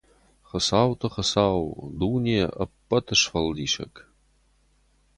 Хуыцауты Хуыцау, дуне, ӕппӕты сфӕлдисӕг!